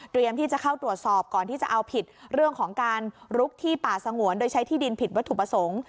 ที่จะเข้าตรวจสอบก่อนที่จะเอาผิดเรื่องของการลุกที่ป่าสงวนโดยใช้ที่ดินผิดวัตถุประสงค์